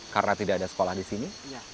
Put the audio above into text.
karena tidak ada sekolah disini